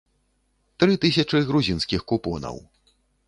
Тры тысячы грузінскіх купонаў.